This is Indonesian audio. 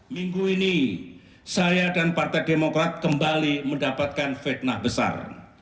minggu ini saya dan partai demokrat kembali mendapatkan fitnah besar